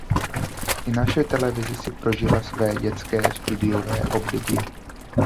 I naše televize si prožila své „dětské“ studiové období.